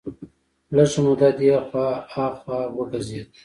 لږه موده دې خوا ها خوا وګرځېد.